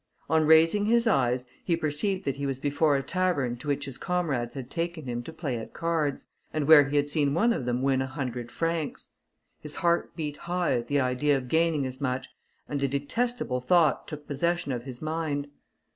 On raising his eyes, he perceived that he was before a tavern to which his comrades had taken him to play at cards, and where he had seen one of them win a hundred francs. His heart beat high at the idea of gaining as much, and a detestable thought took possession of his mind.